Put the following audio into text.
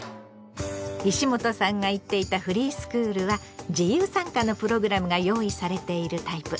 石本さんが行っていたフリースクールは自由参加のプログラムが用意されているタイプ。